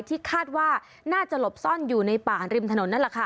ที่คาดว่าน่าจะหลบซ่อนอยู่ในป่าริมถนนนั่นแหละค่ะ